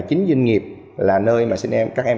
chính doanh nghiệp là nơi mà các em